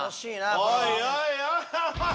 おいおいおいおい！